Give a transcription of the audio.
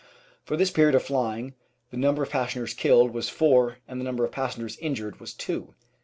For this period of flying the number of passengers killed was four and the number of passengers injured was two.